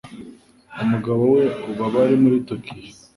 Umugabo we ubu aba muri Tokiyo.